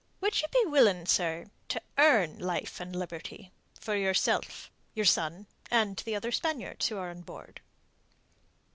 "Would you be willing, sir, to earn life and liberty for yourself, your son, and the other Spaniards who are on board?"